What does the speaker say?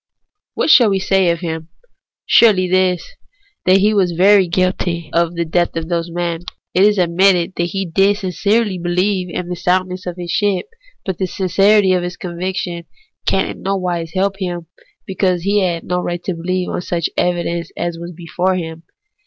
What shall we say of him? Surely this, that he was verily guilty of the death of those men. It is admitted that he did sincerely beheve in the soundness of his ship ; but the sincerity of his conviction can in no wise help him, because he had no right to believe on such evidence as was before him.